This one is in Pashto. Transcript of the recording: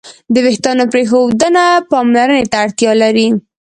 د وېښتیانو پرېښودنه پاملرنې ته اړتیا لري.